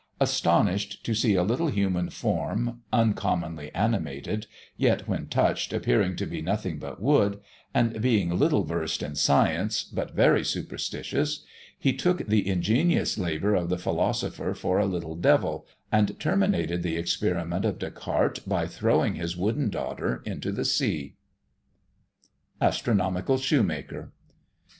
Astonished to see a little human form uncommonly animated, yet when touched appearing to be nothing but wood and being little versed in science, but very superstitious he took the ingenious labour of the philosopher for a little devil, and terminated the experiment of Descartes, by throwing his "wooden daughter" into the sea. ASTRONOMICAL SHOEMAKER.